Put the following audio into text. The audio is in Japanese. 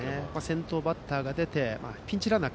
先頭バッターが出てピンチランナー